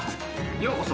ようこそ。